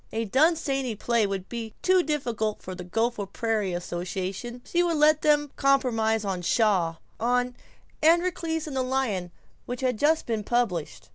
A Dunsany play would be too difficult for the Gopher Prairie association. She would let them compromise on Shaw on "Androcles and the Lion," which had just been published.